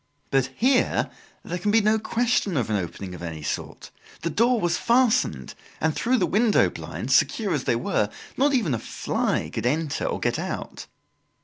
But here, there can be no question of an opening of any sort. The door was fastened, and through the window blinds, secure as they were, not even a fly could enter or get out."